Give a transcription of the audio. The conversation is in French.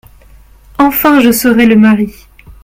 Enfin, je serais le mari !